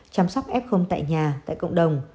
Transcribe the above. chăm sóc f tại nhà tại cộng đồng